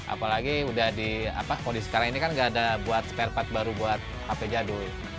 apalagi kalau di sekarang ini kan gak ada buat spare part baru buat hp jadul